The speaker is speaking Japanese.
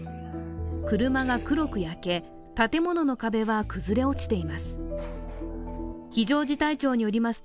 車が黒く焼け、建物の壁は崩れ落ちています。